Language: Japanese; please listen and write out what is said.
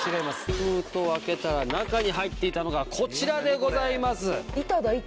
封筒を開けたら中に入っていたのがこちらでございます。